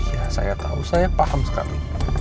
ya saya tahu saya paham sekali